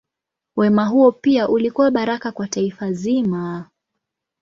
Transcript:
Wema huo pia ulikuwa baraka kwa taifa zima.